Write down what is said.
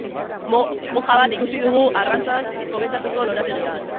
Moja bat ikusi dugu arrantzan komentuko lorategian.